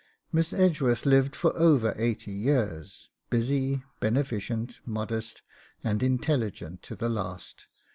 Miss Edgeworth lived for over eighty years, busy, beneficent, modest, and intelligent to the last.